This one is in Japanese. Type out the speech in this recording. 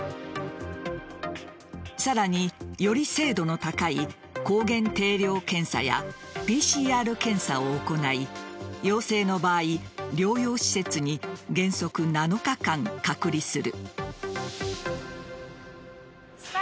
さらに、より精度の高い抗原定量検査やＰＣＲ検査を行い陽性の場合療養施設に原則７日間隔離する。